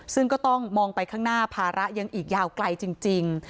ซึ่งก็ต้องมองไปข้างหน้าภาระยังอีกยาวไกลจริง